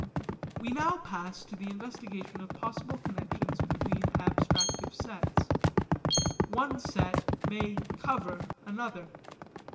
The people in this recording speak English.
We now pass to the investigation of possible connexions between abstractive sets. One set may 'cover' another.